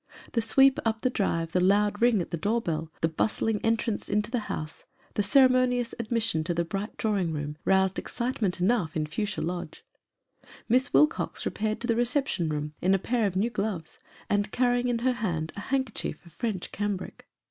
The sweep up the drive, the loud ring at the door bell, the bustling entrance into the house, the ceremonious admission to the bright drawing room, roused excitement enough in Fuchsia Lodge. Miss Wilcox repaired to the reception room in a pair of new gloves, and carrying in her hand a handker chief of French cambric.